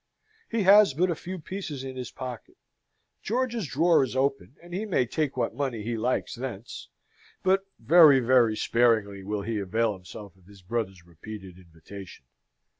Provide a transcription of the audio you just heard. He has but a few pieces in his pocket; George's drawer is open, and he may take what money he likes thence; but very, very sparingly will he avail himself of his brother's repeated invitation.